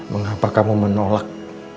mengapa kamu menolak